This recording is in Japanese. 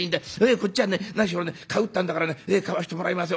こっちは何しろね買うってんだからね買わしてもらいますよ